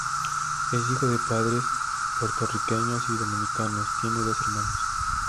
Es hijo de padres puertorriqueños y dominicanos, tiene dos hermanos.